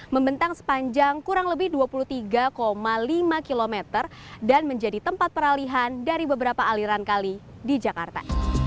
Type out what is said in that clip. membentang sepanjang kurang lebih dua puluh tiga lima km dan menjadi tempat peralihan dari beberapa aliran kali di jakarta